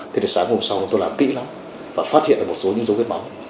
thế thì sáng hôm sau tôi làm kỹ lắm và phát hiện được một số dấu vết máu